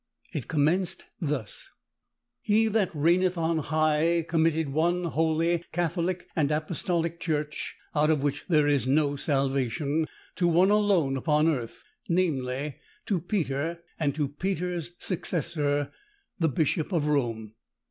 _ It commenced thus: "He that reigneth on high committed one Holy, Catholic, and Apostolic Church (out of which there is no salvation) to one alone upon earth, namely, to Peter, and to Peter's successor, the bishop of Rome.